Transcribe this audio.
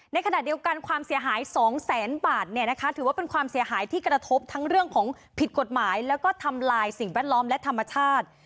ในขณะเดียวกันความเสียหาย๒แสนบาทถือว่าเป็นความเสียหายที่กระทบทั้งเรื่องของผิดกฎหมายแล้วก็ทำลายสิ่งแวดล้อมและธรรมชาติ